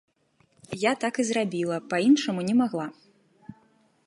Я так і зрабіла, па-іншаму не магла.